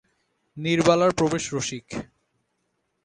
নীরবালার প্রবেশ রসিক।